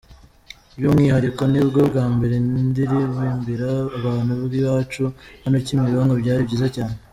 By’umwihariko nibwo bwa mbere ndirimbira abantu b’iwacu hano Kimironko, byari byiza cyane.